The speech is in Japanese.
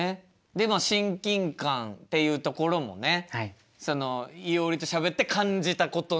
でまあ親近感っていうところもねそのいおりとしゃべって感じたことなんだもんね？